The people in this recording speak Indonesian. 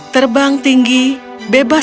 terbang tinggi bebas berjalan